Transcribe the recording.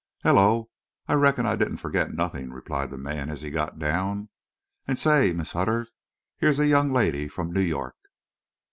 "Hullo I Reckon I didn't forgit nothin'," replied the man, as he got down. "An' say, Mrs. Hutter, hyar's a young lady from Noo Yorrk."